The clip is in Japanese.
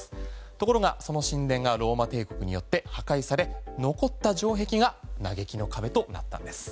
ところが、その神殿がローマ帝国によって破壊され残った城壁が嘆きの壁となったんです。